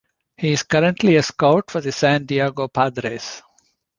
He is currently a scout for the San Diego Padres.